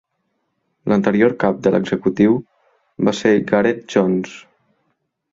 L'anterior Cap de l'executiu va ser Gareth Jones.